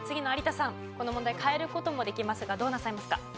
この問題変える事もできますがどうなさいますか？